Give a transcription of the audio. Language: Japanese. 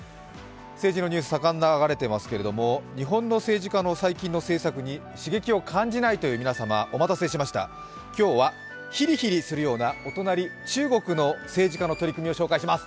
政治のニュース、盛んに流れてますけれども日本の政治家の最近の政策に刺激を感じないという皆様お待たせしました、今日はヒリヒリするようなお隣、中国の政治家の取り組みを紹介します。